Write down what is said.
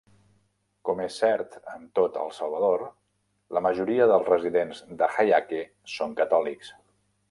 Com és cert en tot El Salvador, la majoria dels residents de Jayaque són catòlics.